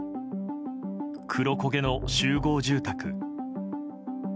黒焦げの集合住宅。